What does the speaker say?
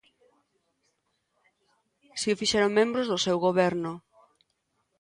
Si o fixeron membros do seu goberno.